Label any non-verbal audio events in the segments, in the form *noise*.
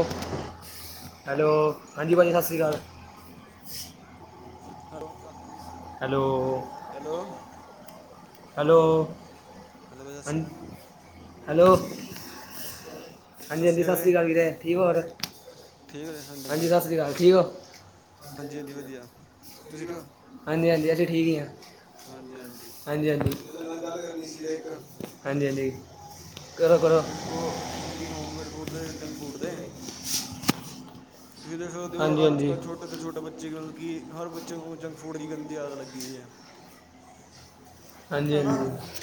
Hello ਹਾਂਜੀ, ਭਾਅ ਜੀ ਸਤਿ ਸ਼੍ਰੀ ਅਕਾਲ *unintelligible* ਹੈਲੋ ਹੈਲੋ ਹੈਲੋ ਹੈਲੋ ਬਾਈ ਸਤਿ ਸ਼੍ਰੀ ਹਜ ਅਕਾਲ ਹੈਲੋ, ਹਾਂਜੀ -ਹਾਂਜੀ ਸਤਿ ਸ਼੍ਰੀ ਅਕਾਲ ਵੀਰੇ ਠੀਕ ਹੋਰ ਠੀਕ ਹੋ, ਹਾਂਜੀ ਹਾਂਜੀ ਸਤਿ ਸ਼੍ਰੀ ਅਕਾਲ ਠੀਕ ਹੋ -ਹਾਂਜੀ ਹਾਂਜੀ ਵਧੀਆ ਤੁਸੀਂ ਠੀ ਹਾਂਜੀ -ਹਾਂਜੀ ਅਸੀਂ ਠੀਕ ਹਾਂ ਹਾਂਜੀ ਹਾਂਜੀ ਹਾਂਜੀ ਮੈਂ ਤੁਹਾਡੇ ਨਾਲ ਗੱਲ ਕਰਨੀ ਸੀ ਵੀਰੇ ਇੱਕ -ਹਾਂਜੀ ਹਾਂਜੀ ਕਰੋ ਕਰੋ ਦੇਖੋ, ਮਤਲਬ ਕਿ ਹੋਮਮੇਡ ਫੂਡ ਦੇ ਜੰਕ ਫੂਡ ਦੇ ਤੁਸੀਂ ਦੇਖ ਸਕਦੇ ਹੋ, ਹਾਂਜੀ ਅੱਜ ਹਾਂਜੀ ਕੱਲ ਛੋਟੇ ਛੋਟ ਤਾਂ ਛੋਟੇ ਬੱਚੇ ਕਿ, ਹਰ ਬੱਚੇ ਨੂੰ ਜੰਕ ਫੂਡ ਦੀ ਗੰਦੀ ਆਦਤ ਲੱਗੀਈ ਹੈ ਹਾਂਜੀ ਹਨਾ, ਹਾਂਜੀ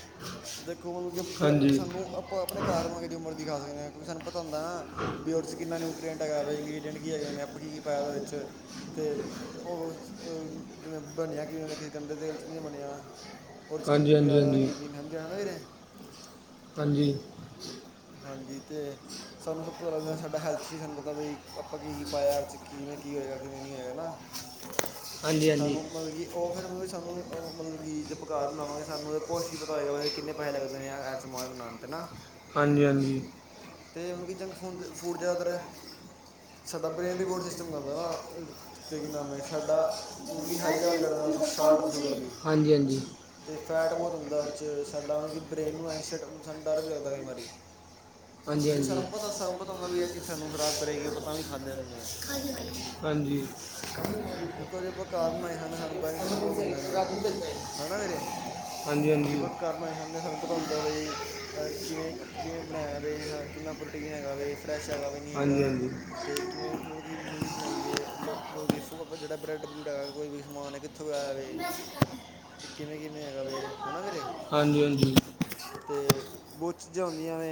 ਦੇਖੋ ਮਤਲਬ ਕਿ ਹਾਂਜੀ ਸਾਨੂੰ ਆਪਾ ਆਪਣੇ ਘਰ ਰਵਾ ਗੇ ਜੋ ਮਰਜ ਦਿਖਾ ਸਕਦੇ ਹਾਂ ਕਿਉ, ਸਾਨੂੰ ਪਤਾ ਹੰਦਾ ਉਦੇ ਚ ਕਿੰਨਾ ਨਿਊਟਰੀਐਂਟ ਹੈਗਾਵੇ ਇੰਗਰੀਡੀਅਂਟ ਕੀ ਹੈਗੇ ਨੇ ਆਪਾਂ ਕੀ ਪਾਇਆ ਉਹਦੇ ਵਿੱਚ ਅਤੇ ਉਹ ਜਿਵੇਂ ਬਣਿਆ ਕਿਵੇਂ, ਕਿਸੇ ਗੰਦੇ ਤੇਲ 'ਚ ਨਹੀਂ ਬਣਿਆ *unintelligible* ੳਦੇ ਚ ਕੀ ਕੀ ਹਾਂਜੀ ਹਾਂਜੀ ਪਿਆ ਦਾ ਹਾਂਜੀ ਕੀ ਕੀ ਨਹੀ ਪਿਆ ਦਾ ਵੀਰੇ ਹਾਂਜੀ ਹਾਂਜੀ ਤੇ ਸਾਨੂੰ ਸਭ ਤੋਂ ਪਤਾ ਲੱਗਦਾ ਸਾਡਾ ਹੈਲਥ ਵੀ ਸਾਨੂੰ ਪਤਾ ਬਾਈ ਆਪਾਂ ਕੀ, ਕੀ ਪਾਇਆ ਕਿਵੇਂ ਕੀ ਹੋਏਗਾ, ਕਿਵੇਂ ਨਹੀਂ ਹੋਏਗਾਾ ਹਾਂਜੀ ਹਾਂਜੀ ਸਾਨੂੰ ਮਤਲਬ ਕਿ ਉਹ ਫਿਰ ਮਤਲਬ ਸਾਨੂੰ ਮਤਲਬ ਕੀ ਪਕਾਰ ਬਣਾਵਾਂਗੇ, ਸਾਨੂੰ ਉਹ ਕੁਛ ਹੀ ਪਤਾ ਹੋਏਗਾ, ਕਿੰਨੇ ਪੈਸੇ ਲੱਗਦੇ ਨੇ ਜਾਂ ਐ ਸਮਾਨ ਬਣਾਉਣ *unintelligible* ਤੇ ਨਾ ਹਾਂਜੀ ਹਾਂਜੀ ਅਤੇ ਮਤਲਬ ਕਿ ਜੰਕ ਫੂਡ- ਫੂਡ ਜ਼ਿਆਦਾਤਰ ਹੈ ਸਾਡਾ ਬ੍ਰੇਨ ਰਿਪੋਰਟ ਸਿਸਟਮ ਕਰਦਾ ਨਾ ਅਤੇ ਕੀ ਨਾਮ ਹੈ ਸਾਡਾ, ਕਿ ਹਾਈ ਹਾਂਜੀ ਲੈਵਲ ਕਰ ਹੁੰਦਾ ਸ਼ਾਲਟ ਸ਼ੂਗਰ ਦੀ ਹਾਂਜੀ -ਹਾਂਜੀ ਅਤੇ ਫੈਟ ਬਹੁਤ ਹੁੰਦਾ, ਉਹਦੇ 'ਚ ਸਾਡਾ ਮਤਲਬ ਕਿ ਬਰੇਨ ਨੂੰ ਐਂਸੀਟ ਸਾਨੂੰ ਡਰ ਵੀ ਲੱਗਦਾ ਕਈ ਵਾਰੀ ਵੀ ਹਾਂਜੀ ਹਾਂਜੀ ਸਾਨੂੰ ਪਤਾ, ਸਾਨੂੰ ਪਤਾ ਹੁੰਦਾ ਵੀ ਇਹ ਚੀਜ਼ ਸਾਨੂੰ ਖਰਾਬ ਕਰੇਗੀ। ਪਤਾ ਵੀ ਖਾਂਦੇ ਰਹਿੰਦੇ ਆ ਹਾਂਜੀ ਦੇਖੋ ਜੇ ਆਪਾਂ ਘਰ ਬਣਾਏ ਹਨ ਹੈ ਨਾ ਵੀਰੇ ਹਾਂਜੀ -ਹਾਂਜੀ ਬਣਾਈ ਖਾਂਦੇ ਹ ਸਾਨੂੰ ਪਤਾ ਹੁੰਦਾ ਬਈ ਕਿਵੇਂ, ਕਿਵੇਂ ਬਣਾਇਆ ਵੇ ਹ ਕਿੰਨਾ ਪ੍ਰੋਟੀਨ ਹੈਗਾ ਵ ਫਰੈਸ਼ ਹੈਗਾ ਵੀ ਨਹੀਂ ਹਾਂਜੀ ਹੈਗਾ ਹਾਂਜੀ ਅਤੇ ਕਿਵੇਂ ਮਤਲਬ ਕਿ ਮੀਦ ਬਣਾਈ ਏ ਲੋ ਮਤਲਬ ਕਿ ਫ ਜਿਹੜਾ ਬਰੈਡ ਬਰੁੱਡ ਹੈਗਾ ਕੋਈ ਵੀ ਸਮਾਨ ਹੈ ਕਿੱਥੋਂ ਆਇਆ ਵੇ। ਤੇ ਕਿਵੇਂ ਕਿਵੇਂ ਹੈਗਾ ਵੇ ਹੈਣਾ ਵੀਰੇ। ਹਾਂਜੀ-ਹਾਂਜੀ। ਅਤੇ ਬਹੁਤ ਚੀਜ਼ਾਂ ਹੁੰਦੀਆਂ ਵੇ।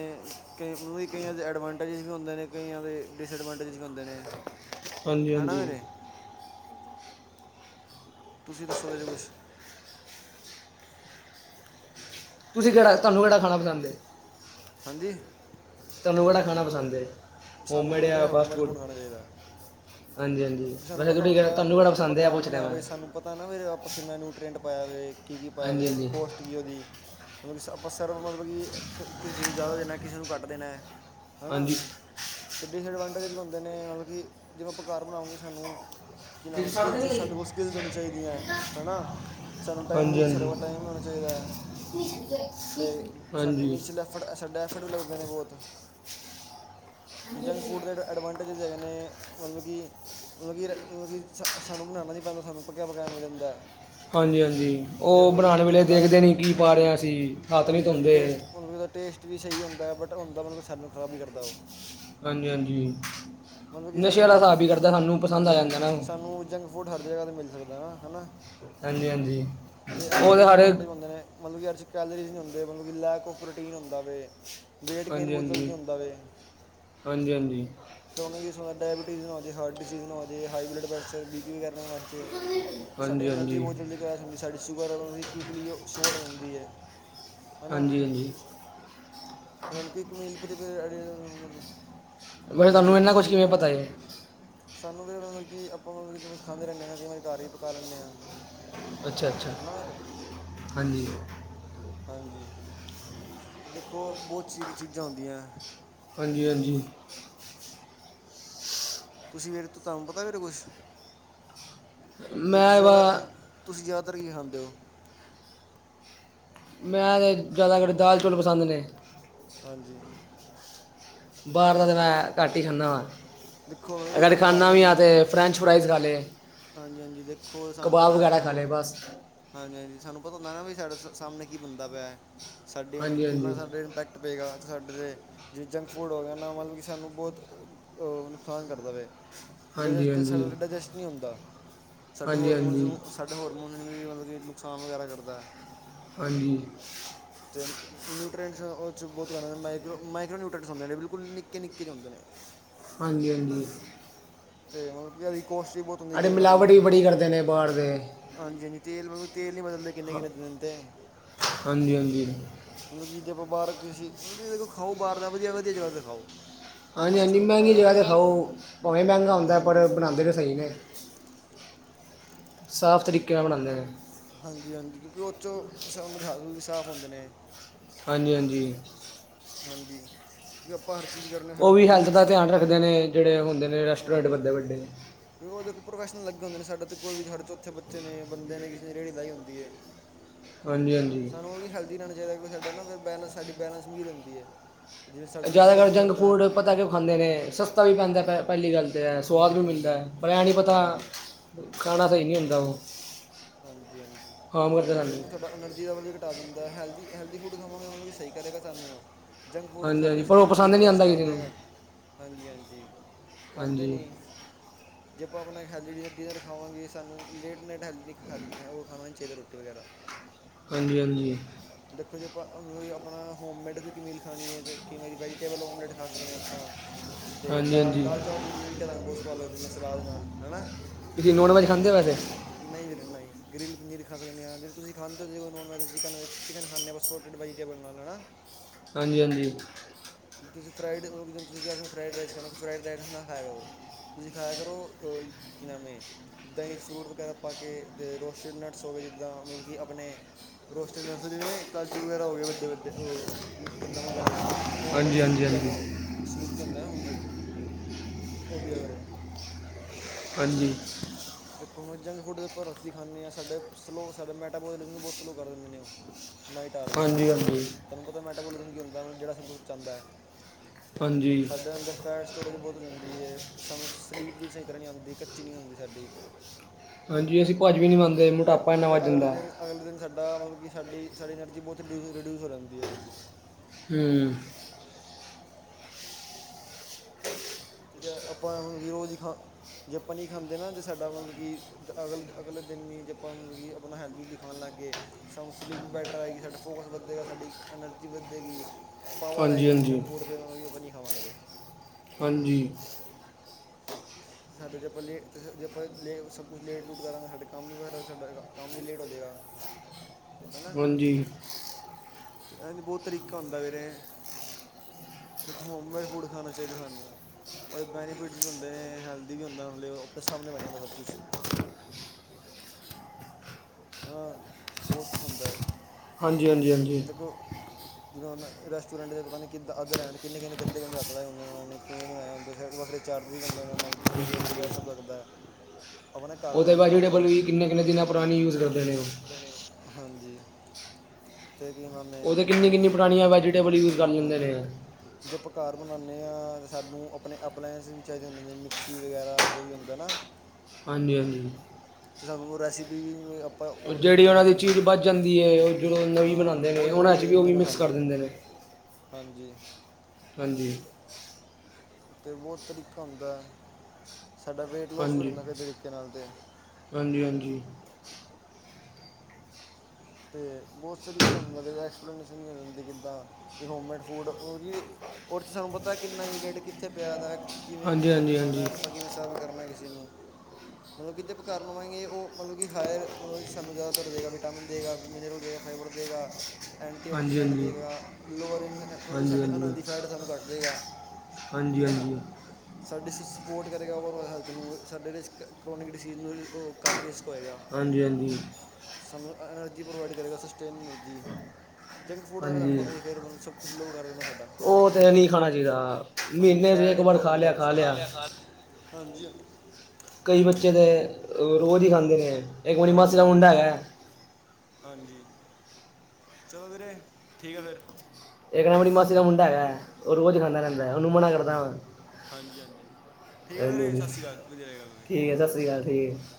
ਕਈ ਮਤਲਬ ਕਿ ਕਈਆਂ ਦੇ ਐਡਵਾਂਟੇਜਿਸ ਵੀ ਹੁੰਦੇ ਨੇ ਕਈਆਂ ਦੇ ਡਿਸਐਡਵਾਂਟੇਜਿਸ ਵੀ ਹੁੰਦੇ ਨੇ। ਹਨਾ ਹਾਂਜੀ-ਹਾਂਜੀ। ਵੀਰੇ ਤੁਸੀਂ ਦੱਸੋ ਵੀਰੇ ਕੁਛ। ਤੁਸੀ ਕਿਹੜਾ ਤੁਹਾਨੂੰ ਕਿਹੜਾ ਖਾਣਾ ਪਸੰਦ ਏ। ਹਾਂਜੀ। ਤੁਹਾਨੂੰ ਕਿਹੜਾ ਖਾਣਾ ਪਸੰਦ ਏ ਸਾਨੂੰ ਹੋਮਮੇਡ ਯਾ ਮਤਲਬ ਫਾਸਟ ਹੋਮਮੇਡ ਫੂਡ, ਫੋਨ ਖਾਣਾ ਚਾਹੀਦਾ ਹਾਂਜੀ। -ਹਾਂਜੀ। ਸਾਨੂੰ ਵੈਸੈ ਪਤਾ ਦੂਜੀ ਗੱਲ ਹੁੰਦਾ ਹੈ, ਤੁਹਾਨੂੰ ਜੇ ਕਿਹੜਾ ਜੇ ਆਪਾਂ ਪਸੰਦ ਏ ਐ ਘਰ ਪੁੱਛ ਰਯਾ ਬਣਾਇਆ ਮੈਂ। ਵੇ ਸਾਨੂੰ ਪਤਾ ਨਾ ਵੀਰ ਆਪਾਂ ਕਿੰਨਾ ਨਿਊਟਰੀਐਂਟ ਪਾਇਆ ਵੇ ਕੀ-ਕੀ ਪਾਇਆ ਹਾਂਜੀ ਵੇ, ਹਾਂਜੀ ਕੋਸਟ ਤੀ ਉਹਦੀ ਮਤਲਬ ਆਪਾਂ ਸ ਸਰਰ ਮਤਲਬ ਕਿ ਕਿਸੇ ਨੂੰ ਜ਼ਿਆਦਾ ਦੇਣਾ ਕਿਸੇ ਨੂੰ ਘੱਟ ਦੇਣਾ। ਹਨਾ ਹਾਂਜੀ ਤੇ ਡਿਸਐਡਵਾਂਟੇਜਸ ਹੁੰਦੇ ਨੇ ਮਤਲਬ ਕਿ ਜਿਵੇਂ ਆਪਾਂ ਘਰ ਬਣਾਉਂਗੇ ਸਾਨੂੰ ਕੀ ਨਾਮ ਅ ਹਾਂਜੀ ਸਕਿੱਲਸ ਹਾਂਜੀ ਸਾਡੇ ਕੋਲ ਸਕਿੱਲਸ ਹੋਣੀ ਚਾਹੀਦੀਆਂ। ਹਣਾ? ਸਾਨੂੰ ਟਾਈਮ ਵੀ ਸਾਡੇ ਹਾਂਜੀ ਕੋਲ ਟਾਈਮ ਵੀ ਹੋਣਾ ਚਾਹੀਦਾ ਹੈ ਤੇ ਸਾਨੂੰ ਇਨੀਸ਼ੀਅਲੀ ਲੈਫ ਫਟ *unintelligible* ਐ ਸਾਡੇ ਐਸੀਡ ਵੀ ਲੱਗਦੇ ਨੇ ਬਹੁਤ। ਤੇ ਜੰਕ ਫੂਡ ਦੇ ਐਡ ਐਡਵਾਂਟੇਜਿ ਦੇ ਦੇਣੇ ਤੁਵਾਨੂ ਕੀਏ ਮਤਲਬ ਕਿ ਮਤਲਬ ਕਿ ਸਾਨੂੰ ਬਣਾਉਣਾ ਨਹੀਂ ਪੈਂਦਾ ਸਾਨੂੰ ਪੱਕਿਆ ਪਕਾਇਆ ਮਿਲ ਜਾਂਦਾ ਹਾਂਜੀ ਹਾਂਜੀ ਉਹ ਮਤਲਬ ਕਿ ਬਣਾਉਣ ਵੇਲੇ ਜ਼ਿਆਦਾ ਦੇਖਦੇ ਨਹੀਂ ਕੀ ਪਾ ਹਾਂਜੀ ਹਾਂਜੀ ਰਹੇ ਅਸੀਂ ਹੱਥ ਨਹੀਂ ਹਾਂਜੀੀ ਹਾਂਜੀ ਧੋਂਦੇ ਟੇਸਟ ਮਤਲਬ ਟੇਸਟ ਵੀ ਸਹੀ ਹੁੰਦਾ ਐ, ਬਟ ਹੁੰਦਾ ਮਤਲਬ ਸਾਨੂੰ ਖਰਾਬ ਵੀ ਕਰਦਾ ਉਹ। ਹਾਂਜੀ-ਹਾਂਜੀ, ਨਸ਼ੇ ਆਲਾ ਸਾਬ ਹੀ ਕਰਦਾ ਸਾਨੂੰ। ਪਸੰਦ ਆ ਹਾਂਜੀ-ਹਾਂਜੀ, ਜਾਂਦਾ ਨਾ ਉਹ। ਸਾਨੂੰ ਜੰਕ ਫੂਡ ਹਰ ਜਗ੍ਹਾ ਤੇ ਮਿਲ ਸਕਦਾ, ਹਨਾ-ਹਨਾ। ਹਾਂਜੀ ਹਾਂਜੀ ਤੇ ਇਹਨਾਂ ਦੇ ਉਹ ਸਾਡੇ ਡਿਸਐਡਵਾਂਟੇਜ ਵੀ ਹੁੰਦੇ ਨੇ। ਮਤਲਬ ਕੀ ਏਦੇ ਚ ਕੈਲਰੀਜ਼ ਨੀ ਹੁੰਦੇ, ਮਤਲਬ ਕਿ ਲੈਕ ਔਫ ਪ੍ਰੋਟੀਨ ਹੁੰਦਾ ਵੇ। ਵੇਟ ਗੇਨ ਹਾਂਜੀ ਬਹੁਤ ਹਾਂਜੀ ਜਲਦੀ ਹੁੰਦਾ ਵੇ। ਹਾਂਜੀ ਹਾਂਜੀ ਕਰੋ ਨਾ ਇਸ ਵਾਰ ਡਾਇਬਟੀਜ਼ ਨਾ ਹੋ ਜੇ, ਹਾਰਟ ਡਿਸੀਜ਼ ਨਾ ਹੋ ਜੇ, high blood pressure, B P ਵਗੈਰਾ ਨਾ ਵੱਧ ਜੇ। ਸਾਡੀ ਹਾਂਜੀ ਹਾਂਜੀ ਐਨਰਜੀ ਹਾਂਜੀ ਬਹੁਤ ਜਲਦੀ ਕਰੈਸ਼ ਹੁੰਦੀ ਐ, ਸਾਡੀ ਸ਼ੂਗਰ ਉਹੀ ਕੁਇੱਕਲੀ ਉਹ ਸ਼ੋਟ ਹੋ ਜਾਂਦੀ ਐ। ਹਨਾ। *inaudible* ਹਾਂਜੀ ਵੈਸੇ ਹਾਂਜੀ ਤੁਹਾਨੂੰ ਹਾਂਜੀ ਇੰਨਾ ਕੁਛ ਠੀਕ ਹੈ ਕਿਵੇਂ ਨਾ ਪਤਾ ਜੇ। ਸਾਨੂੰ ਤੇ ਮਤਲਬ ਕੀ ਆਪਾਂ ਮਤਲਬ ਕਿ ਖਾਂਦੇ ਰਹਿੰਦੇ ਹਾਂ, ਕਈ ਵਾਰੀ ਘਰ ਵੀ ਪਕਾ ਲੈਂਦੇ ਹਾਂ। ਅੱਛਾ-ਅੱਛਾ, ਹਨਾ ਵੀਰੇ ਹਾਂਜੀ। ਹਾਂਜੀ। ਦੇਖੋ, ਬਹੁਤ ਚੀਕ ਚੀਜ਼ਾਂ ਹੁੰਦੀਆਂ। ਹਾਂਜੀ-ਹਾਂਜੀ। ਤੁਸੀਂ ਵੇੜੇ ਤੋਂ ਤੁਹਾਨੂੰ ਪਤਾ ਫੇਰ ਕੁਛ ਵੀਰ, ਤੁਸੀਂ ਮੈਂ ਵਾ ਜ਼ਿਆਦਾ ਮ ਤੁਸੀਂ ਜ਼ਿਆਦਾਤਰ ਕੀ ਖਾਂਦੇ ਹੋ। ਮੈਂ ਤੇ ਜ਼ਿਆਦਾਤਰ ਦਾਲ ਚੋਲ ਪਸੰਦ ਨੇ। ਹਾਂਜੀ। ਬਾਹਰ ਦਾ ਤਾਂ ਮੈਂ ਘੱਟ ਹੀ ਖਾਣਾ ਵਾਂ, ਦੇਖੋ ਮਤਲਬ ਕਿ ਜੇ ਅਗਰ ਆਪਾਂ ਘਰ ਖਾਨਾਂ ਵੀ ਆਂ ਤੇ ਫਰੈਂਚ ਫਰਾਈਜ਼ ਖਾ ਲੇ। ਹਾਂਜੀ-ਹਾਂਜੀ, ਦੇਖੋ ਇਹ ਸਾਨੂੰ ਪਤਾ, ਖਾ ਸਾਨੂੰ ਲਏ ਬਸ ਹਾਂਜੀ-ਹਾਂਜੀ, ਸਾਨੂੰ ਪਤਾ ਹੁੰਦਾ ਨਾ ਵੀ ਸਾਡੇ ਸ ਸਾਹਮਣੇ ਕੀ ਬਣਦਾ ਪਿਆ, ਸਾਡਿਆਂ ਨੂੰ ਹਾਂਜੀ ਹਾਂਜੀ ਕਿੰਨਾ ਸਾਡੇ ਇੰਪੈਕਟ ਪਏਗਾ ਛੱਡ ਦੇ। ਜੇ ਜੰਕ ਫੂਡ ਹੋ ਗਿਆ ਨਾ, ਮਤਲਬ ਕਿ ਸਾਨੂੰ ਬਹੁਤ ਨੁਕਸਾਨ ਕਰਦਾ ਵੇ। ਹਾਂਜੀ ਡਾਇਜਸ ਸਾਡਾ ਹਾਂਜੀ ਡਾਇਜਸਟ ਨਹੀਂ ਹੁੰਦਾ। ਸਾਡੇ ਹਾਂਜੀ ਹੋਰਮੋਨਸ ਹਾਂਜੀ ਨੂੰ, ਸਾਡੇ ਹੋਰਮੋਨਸ ਨੂੰ ਵੀ ਮਤਲਬ ਕਿ ਨੁਕਸਾਨ ਵਗੈਰਾ ਕਰਦਾ। ਹਾਂਜੀ। ਟਿਮ ਨਿਊਟਰੈਂਟਸ ਉਹ ਚ ਬਹੁਤ ਘੱਟ ਹੁੰਦੇ ਨੇ, ਮਾਈਕਰੋ- ਮਾਈਕਰੋ ਨਿਊਟਰੈਂਟਸ ਹੁੰਦੇ ਨੇ, ਬਿਲਕੁਲ ਨਿੱਕੇ- ਨਿੱਕੇ ਜੇ ਹੁੰਦੇ ਨੇ। ਹਾਂਜੀ- ਹਾਂਜੀ। ਤੇ ਮਤਲਬ ਕਿ ਇਹਦੀ ਕੋਸਟ ਵੀ ਬੋਤ ਅਰੇ ਮਿਲਾਵਟ ਈ ਬੜੀ ਕਰਦੇ ਨੇ ਬਾਹਰ ਦੇ। ਹਾਂਜੀ- ਹਾਂਜੀ, ਤੇਲ ਮਤਲਬ ਤੇਲ ਨੀ ਬਦਲਦੇ, ਕਿੰਨੇ- ਹਾਂ- ਕਿੰਨੇ ਦਿਨ ਤੇ। ਹਾਂਜੀ- ਹਾਂਜੀ। ਮਤਲਬ ਕਿ ਜੇ ਆਪਾਂ ਬਾਹਰ ਕਿਸੇ ਮਤਲਬ ਜਦੋਂ ਖਾਓ ਬਾਹਰ ਦਾ, ਵਧੀਆ- ਵਧੀਆ ਜਗ੍ਹਾਂ ਦਾ ਖਾਓ। ਹਾਂਜੀ -ਹਾਂਜੀ, ਸਾਨੂੰ ਪਤਾ ਹੈ ਮਹਿੰਗੀ ਨਾ ਜਗ੍ਹਾਂ ਵੀ ਤੇ ਹਾਂ- ਖਾਓ, ਭਾਵੇਂ ਮਹਿੰਗਾ ਹੁੰਦਾ, ਪਰ ਹਾਂਜੀ ਬਣਾਦੇ ਤੇ ਸਹੀ ਨੇ। ਸਾਫ ਤਰੀਕੇ ਨਾਲ ਬਣਾਦੇ ਨੇ। ਹਾਂਜੀ-ਹਾਂਜੀ, ਕਿਉਂਕਿ ਉਹ ਚੋਂ ਕਿਚਨ ਹੱਥ ਹੁੱਥ ਸਾਫ ਹੁੰਦੇ ਨੇ। ਹਾਂਜੀ- ਹਾਂਜੀ। ਹਾਂਜੀ। ਵੀ ਆਪਾਂ ਹਰ ਚੀਜ਼ ਕਰਨਾ ਉਹ ਵੀ ਹੈਲਥ ਦਾ ਧਿਆਨ ਰੱਖਦੇ ਨੇ, ਜਿਹੜੇ ਹੁੰਦੇ ਨੇ ਰੈਸਟੋਰੈਂਟ ਵੱਡੇ- ਵੱਡੇ। ਫਿਰ ਉਹ ਦੇਖੋ ਕੋ ਪ੍ਰੋਫੈਸ਼ਨਲ ਲੱਗੇ ਹੁੰਦੇ ਨੇ, ਸਾਡੇ ਤੇ ਕੋਈ ਵੀ ਸਾਡੇ ਹਰ ਚੌਥੇ ਬੱਚੇ ਨੇ, ਬੰਦੇ ਨੇ, ਕਿਸੇ ਨੇ ਰੇਹੜੀ ਲਾਈ ਹੁੰਦੀ ਏ। ਹਾਂਜੀ ਹਾਂਜੀ *unintelligible* ਸਾਨੂੰ ਉਹ ਕਿ ਹੈਲਦੀ ਰਹਿਣਾ ਚਾਹੀਦਾ, ਕਿਉਂਕਿ ਸਾਡਾ ਨਾ ਫਿਰ ਬੈੈਲੈਂਸ, ਸਾਡੀ ਬੈਲੈਂਸ ਮੀਲ ਹੁੰਦੀ ਐ। ਜ਼ਿਆਦਾਕਰ ਜੰਕ ਫੂਡ, ਪਤਾ ਕੇ ਖਾਂਦੇ ਨੇ, ਸਸਤਾ ਵੀ ਪੈਂਦਾ ਪਹਿਲੀ ਗੱਲ ਤੇ ਐਹ, ਸੁਆਦ ਵੀ ਹਾਂਜੀ ਹਾਂਜੀ ਮਿਲਦੈ, ਪਰ ਐ ਨੀ ਪਤਾ ਹਾਂਜੀ ਖਾਣਾ ਸਈ ਨੀ ਹੁੰਦਾ ਉਹ। ਹਾਂਜੀ- ਹਾਂਜੀ, ਹਾਰਮ ਕਰਦੇ ਸਾਨੂੰ ਦੇਖੋ ਥੋਡਾ ਐਨਰਜੀ ਦਾ ਵਜ਼ਨ ਘਟਾ ਦਿੰਦਾ, ਹੈਲਦੀ- ਹੈਲਦੀ ਫੂਡ ਖਾਵਾਂਗੇ ਮਤਲਬ ਕਿ ਸਹੀ ਕਰੇਗਾ ਸਾਨੂੰ। ਜੰਕ ਫੂਡ ਹਾਂਜੀ ਹਾਂਜੀ ਸਾਡੇ 'ਚ ਪਰ ਉਹ ਐਨਰਜੀ ਪਸੰਦ ਨਹੀਂ ਕਰੈਸ਼ ਆਉਂਦਾ ਕਰ ਕਿਸੇ ਨੂੰ ਦੇਵੇਗਾ। ਹਾਂਜੀ- ਹਾਂਜੀ। ਖਾਂਦੇ ਹਾਂਜੀ ਨੀ, ਜੇ ਆਪਾਂ ਆਪਣਾ ਹੈਲਦੀ ਡਿਨ ਡੀਯਰ ਖਾਵਾਂਗੇ ਸਾਨੂੰ late night healthy health ਉਹ ਖਾਣਾ ਨਹੀ ਚਾਹੀਦਾ ਰੋਟੀ ਵਗੈਰਾ। ਹਾਂਜੀ- ਹਾਂਜੀ। ਦੇਖੋ ਜੀ ਆਪਾਂ ਆਪਣਾ ਹੋਮੇਡ ਕੋਈ ਕ ਮਮੀਲ ਖਾਣੀ ਹੈ ਅਤੇ ਕਈ ਵਾਰੀ ਵੈਜੀਟੇਬਲ ਹੋਮਲੇਟ ਖਾ ਸਕਦੇ ਹਾਂ *unintelligible* ਹਾਂ, ਤੇ ਹਾਂਜੀ ਦਾਲ- ਹਾਂਜੀ ਦਾਲ ਚਾਵਲ ਜਿਵੇਂ ਤੁਸੀ ਕਰਾ ਨੂੰ ਬਹੁਤ ਸਵਾਦ ਲੱਗਦੇ ਨੇ ਸਲਾਦ ਨਾਲ ਹਨਾ। ਤੁਸੀ ਨੋਨ ਵੈਜ ਖਾਂਦੇ ਹੋ ਵੈਸੇ? ਨਹੀਂ ਵ ਕੇ ਨਹੀ ਗਰਿਲ ਪਨੀਰ ਖਾ ਸਕਣੇ ਆ। ਜਿਵੇ ਤੁਸੀਂ ਖਾਂਦੇ ਹੋ ਜਿਵੇ ਨੋਨ ਵੈਜ ਚਿਕਨ- ਚਿਕਨ ਖਾਂਦੇ ਆਪਾਂ ਸੋਟਡ ਵੈਜੀਟੇਬਲ ਨਾਲ ਹੈ ਨਾ। *unintelligible* *unintelligible* ਹਾਂਜੀ- ਹਾਂਜੀ। ਤੁਸੀਂ ਫਰਾਈਡ ਜ ਤੁਸੀਂ ਅ ਫਰਾਈਡ ਰਾਈਸ ਖਾਣਾ ਤੁਸੀ ਫਰਾਈਡ ਰਾਈਸ ਨਾ ਖਾਇਆ ਕਰੋ *unintelligible* ਤੁਸੀਂ ਖਾਇਆ ਕਰੋ ਉ ਕੀ ਨਾਮ ਏ, ਦਹੀਂ ਚ ਫਰੂਟ ਵਗੈਰਾ ਪਾ ਕੇ। ਤੇ ਰੋਸ਼ਟਡ ਨਟਸ ਹੋ ਗਏ ਜਿੱਦਾਂ ਮਤਲਬ ਕਿ ਆਪਣੇ ਰੋਸਟਡ ਨਰਸਰੀ ਨਈ ਕਾਜੂ ਵਗੈਰਾ ਗਏ ਵੱਡੇ- ਵੱਡੇ ਉਹ ਕ ਨਮਕ ਆਲੇ। ਹੋਮਮੇਡ ਹਾਂਜੀ ਸੂਪ ਹਾਂਜੀ ਪਿਆ ਕਰੋ। ਹਾਂਜੀ ਸੂਪ ਵੀ ਹੁੰਦਾ ਏ ਹੋਮਮੇਡ, ਉਹ ਪਿਆ ਕਰੋ। ਹਾਂਜੀ। ਦੇਖੋ ਵ ਜੰਗ ਫੂਡ ਦੇ ਉਪਰ ਦਿਖਾਣੇ ਆਂ ਸਾਡੇ ਸਲੋ ਸਾਡਾ ਮੈਟਾਬੋਲਿਜਮ ਨੂੰ ਬਹੁਤ ਸਲੋ ਕਰ ਦਿੰਦੇ ਨੇ ਉਹ। ਨਾਈਟ ਆਰ ਵਿੱਚ, ਹਾਂਜੀ ਹਾਂਜੀ ਤੈਨੂੰ ਪਤਾ ਮੈਟਾਬੋਲੀਜ਼ਮ ਕੀ ਹੁੰਦਾ ਜਿਹੜਾ ਸਬ ਕੁਜ ਪਚਾਂਦਾ। ਹਾਂਜੀ ਸਾਡੇ ਅੰਦਰ ਫੈਟਸ *unintelligible* ਬਹੁਤ ਹੋ ਜਾਂਦੀ ਏ ਸਾਨੂੰ ਸਲੀਪ ਵੀ ਸਹੀ ਤਰ੍ਹਾਂ ਨਹੀਂ ਆਂਦੀ ਕੱਚੀ ਨੀਂਦ ਹੁੰਦੀ ਸਾਡੀ। ਹਾਂਜੀ। ਅਸੀ ਭੱਜ ਵੀ ਨੀ ਮੰਨਦੇ ਨਾਲੇ ਮੋਟਾਪਾ ਇੰਨਾ ਨਾਲੇ ਵੱਦ ਅਗਲੇ ਜਾਂਦੈ। ਦਿਨ ਅਗਲੇ ਦਿਨ ਸਾਡਾ ਮਤਲਬ ਕਿ ਸਾਡੀ ਸਾਰੀ ਅਨਰਜੀ ਬਹੁਤ ਰਡਿਊਜ- ਰਡਿਊਜ਼ ਹੋ ਜਾਂਦੀ ਏ। ਹਮ। ਜੇ ਆਪਾਂ ਮਤਲਬ ਕਿ ਰੋਜ਼ ਹੀ ਖਾਂ ਜੇ ਆਪਾਂ ਨਹੀਂ ਖਾਂਦੇ ਨਾ ਤੇ ਸਾਡਾ ਮਤਲਬ ਕਿ ਅਗਲ- ਅਗਲੇ ਦਿਨ ਹੀ ਜੇ ਆਪਾਂ ਮਤਲਬ ਕਿ ਆਪਣਾ ਹੈਲਦੀ ਹੂਲਦੀ ਖਾਣ ਲੱਗ ਗਏ। ਸਾਨੂੰ ਸਲਿਪ ਵੀ ਬੈਟਰ ਆਏਗੀ। ਸਾਡਾ ਫੋਕਸ ਵਧੇਗਾ, ਸਾਡੀ ਅਨਰਜੀ ਵਧੇਗੀ। ਪਾਵਰ ਹਾਂਜੀ ਆਏਗੀ ਹਾਂਜੀ ਜੰਕ ਫੂਡ ਜੇ ਮਤਲਬ ਕਿ ਆਪਾਂ ਨੀ ਖਾਵਗੇ ਤੇ। ਹਾਂਜੀ। ਸਾਡਾ ਜੇ ਆਪਾਂ ਲੇ, ਜੇ ਆਪਾਂ ਲੇ ਸਬ ਕੁਛ ਲੇਟ-ਲੂਟ ਕਰਾਂਗੇ ਸਾਡਾ ਕੰਮ ਵੀ ਫੇਰ ਸਾਡਾ ਕੰਮ ਵੀ ਲੇਟ ਹੋ ਜੇਗਾ। *unintelligible* ਹਾਂਜੀ। ਐ ਬਹੁਤ ਤਰੀਕਾ ਹੁੰਦਾ ਵੀੇਰੇ ਮਖ ਹੋਮਮੇਡ ਫੂਡ ਖਾਣਾ ਚਾਹੀਦਾ ਸਾਨੂੰ ਓਦੇ ਬੈਨੀਫਿਟਸ ਵੀ ਹੁੰਦੇ ਨੇ, ਹੈਲਦੀ ਵੀ ਹੋਂਦੈ ਨੇ ਤੇ ਆਪਨੇ ਸਾਮਨੇ ਬਣੇਆ ਹੂੰਦਾ ਸਬ ਕੁਛ। ਹਾਂ ਬਹੁਤ ਕੁਛ ਹੁੰਦਾ ਹੈ। ਹਾਂਜੀ ਹਾਂਜੀ ਹਾਂਜੀ। ਜਦ ਰੈਸਟੋਰੈਂਟ ਚ ਪਤਾ ਨਹੀਂ ਕਿਦਾ ਅਦਰ ਰਹਿਣ ਕਿਹਨੇ ਕਿੰਨੇ ਗੰਦੇ ਗੰਦੇ ਹੱਥ ਲਾਏ ਹੁੰਦੇ ਨੇ ਉਹਨਾਂ ਨੇ ਕਿਵੇਂ ਬਣਾਇਆ ਹੁੰਦਾ, ਸਿਰਫ਼ ਵੱਖਰੇ ਚਾਰਜੀ ਬਨਦੇ ਨੇ ਓਨਾਂ ਨਾਲ, ਜੀ ਐਸ ਟੀ ਵਗੈਰਾ ਸਬ ਲੱਗਦੈ। ਓਤਾ ਵੈਜੀਟੇਬਲ ਵੀ ਕਿੰਨੇ-ਕਿੰਨੇ ਦਿਨਾਂ ਪਰਾਨੀ ਯੂਜ਼ ਕਰਦੇ ਨੇ ਓ। ਹਾਂਜੀ। ਦੇਖ ਨਾ ਮੈਂ ਉਹਦੇ ਕਿੰਨੀ ਕਿੰਨੀ ਪੁਰਾਣੀਆਂ ਵੈਜੀਟੇਬਲ ਯੂਜ਼ ਕਰ ਲੈਂਦੇ ਹਾਂਜੀ ਨੇ ਜੇ ਆਪਾਂ ਘਾਰ ਬਨਾਂਨੇ ਆਂ, ਤਾਂ ਸਾਨੂੰ ਅਪਨੇ ਆਪਣੇ ਵਾਸੇ ਵੀ ਚਾਈਦੇ ਹੁੰਦੇ ਨੇ ਮਿਕਸੀ ਵਗੈਰਾ ਜੋ ਵੀ ਹੋਂਦਾ ਨਾ। ਹਾਂਜੀ ਹਾਂਜੀ ਤੇ ਸਾਨੂੰ ਓ ਰੈਸਪੀ ਵੀ ਆਪਾਂ ਉਹ ਓਨਲਾਈਨ ਜਿਹੜੀ ਪਤਾ ਕਾਰ ਉਹਨਾਂ ਦੀ ਸਕਨੇ ਚੀਜ਼ ਬਚ ਜਾਂਦੀ ਹੈ ਉਹ ਜਦੋਂ ਆ, ਨਵੀਂ ਹਾਂ ਬਣਾਉਂਦੇ ਨੇ ਉਹਨਾਂ ਓਈ-ਓਈ 'ਚ ਦੇ ਵੀ ਉਹ ਦਿੰਦੇ ਵੀ ਨੇ ਮਿਕਸ ਕਰ ਸਾਨੂੰ। ਦਿੰਦੇ ਨੇ ਹਾਂਜੀ। ਹਾਂਜੀ। ਤੇ ਬੋਤ ਤਰੀਕਾ ਹੁੰਦੈ, ਸਾਡਾ ਵੇਟ ਲੋਸ ਵੀ *unintelligible* ਕਿਸੇ ਤਰੀਕੇ ਨਾਲ ਤੇ। ਹਾਂਜੀ-ਹਾਂਜੀ। ਅਤੇ ਬਹੁਤ ਸਾਰੀ ਕਮ ਦੇ ਐਕਸਪਲੇਨੇਸ਼ਨ ਮਿਲ ਜਾਂਦੀ ਕਿੱਦਾਂ। ਅਤੇ ਹੋਮਮੇਡ ਫੂਡ ਉਹ 'ਚ ਤੁਹਾਨੂੰ ਪਤਾ ਕਿੰਨਾ ਕੁ ਰੇਟ ਕਿੱਥੇ ਪਿਆ ਹੈ੍ਹ ਵਾ। ਹਾਂਜੀ ਕਿਵੇਂ-ਕਿਵੇਂ ਹਾਂਜੀ ਖਾਣਾ ਹਾਂਜੀ ਆਪਾਂ, ਕਿਵੇਂ ਸਰਵ ਕਰਨਾ ਕਿਸੇ ਨੂੰ। ਮਤਲਬ *unintelligible* ਕਰ ਲਵਾਂਗੇ। ਉਹ ਮਤਲਬ ਕਿ ਹਾਇਰ ਮਤਲਬ ਸਾਨੂੰ ਜ਼ਿਆਦਾਤਰ ਦੇਗਾ ਵਿਟਾਮਿਨ ਦੇਗਾ ਮਿਨਰਲ ਦੇਗਾ, ਫਾਈਬਰ ਦੇਗਾ। ਐਂਟੀਆਕਸੀਡੈਂਟ ਹਾਂਜੀ ਦੇਗਾ, ਲੋ ਰੀਨ ਓ ਹਾਂਜੀ ਸਾਡੇ ਅਨੈਰਜੀ ਫੈਟ ਸਾਨੂੰ ਘੱਟ ਦੇਗਾ। ਹਾਂਜੀ-ਹਾਂਜੀ। ਸਾਡੇ ਸ, ਸ ਸਪੋਟ ਕਰੇਗਾ ਓਵਰ ਔਲ ਹੈਲਥ ਨੂੰ, ਸਾਡੇ ਜ ਕਰੋਨਿਕ ਡਿਸੀਜ਼ ਨੂੰ ਓ ਅ ਘਾੱਟ ਰਿਸਕ ਹੋਏਗਾ, ਹਾਂਜੀ ਹਾਂਜੀ ਸਾਨੂੰ ਐਨਰਜੀ ਪ੍ਰੋਵਾਈਡ ਕਰੇਗਾ ਸਸਟੇਨ ਐਨਰਜੀ। ਜੰਕ ਫੂਡ ਦਾ ਵੀ ਤੁਹਾਨੂੰ ਹਾਂਜੀ ਪਤਾ ਹੀ ਫਿਰ ਮਤਲਬ ਸਭ ਕੁਛ ਲੋਹ ਕਰ ਦਿੰਦਾ ਸਾਡਾ ਉਹ ਤੇ ਨਹੀਂ ਖਾਣਾ ਚਾਹੀਦਾ ਹਾਂਜੀ ਮਹੀਨੇ 'ਚ ਫੈਟ ਇੱਕ ਹੀ ਵਾਰ ਬਹੁਤ ਖਾ ਹੁੰਦਾ ਲਿਆ ੳਦੇ ਖਾ ਚ ਲਿਆ ਖਾਲਿਆ ਖ *unintelligible* ਹਾਂਜੀ ਕਈ ਬੱਚੇ ਤਾਂ ਰੋਜ਼ ਹੀ ਖਾਂਦੇ ਨੇ। ਇੱਕ ਮੇਰੀ ਮਾਸੀ ਦਾ ਹਾਂਜੀ-ਹਾਂਜੀ। ਮੁੰਡਾ ਹੈਗਾ ਹੈ, ਹਾਂਜੀ ਚਲੋ ਵੀਰੇ ਠੀਕ ਹੈ ਫਿਰ ਇਹ ਨਾ ਮੇਰੀ ਮਾਸੀ ਦਾ ਮੁੰਡਾ ਹੈਗਾ ਉਹ ਰੋਜ਼ ਖਾਂਦਾ ਰਹਿੰਦਾ ਹੈ ਉਹਨੂੰ ਮਨਾ ਕਰਦਾ ਵਾ ਹਾਂਜੀ ਹਾਂਜੀ ਠੀਕ ਹੈ ਹਾਂਜੀ ਵੀਰੇ ਹਾਂਜੀ ਸਤਿ ਸ਼੍ਰੀ ਅਕਾਲ ਵਧੀਆ ਰਹੇਗਾ ਵੀਰੇ ਠੀਕ ਹੈ ਸਤਿ ਸ੍ਰੀ ਅਕਾਲ ਠੀਕ